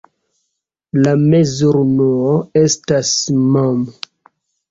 La mezurunuo estas mm.